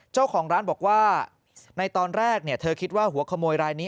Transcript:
เจ้าของร้านบอกว่าในตอนแรกเธอคิดว่าหัวขโมยรายนี้